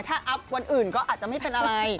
ถ้าอัพวันอื่นก็อาจจะไม่เป็นอะไร